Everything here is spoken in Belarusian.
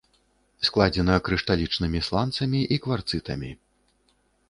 Складзена крышталічнымі сланцамі і кварцытамі.